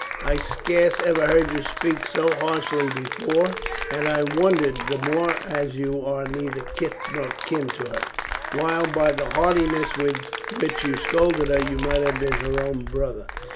I scarce ever heard you speak so harshly before, and I wondered the more as you are neither kith nor kin to her, while by the heartiness with which you scolded her you might have been her own brother."